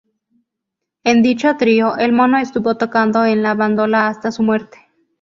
En dicho trío, el Mono estuvo tocando en la bandola hasta su muerte.